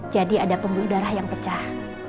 jadi ada pembuluh darah yang pecah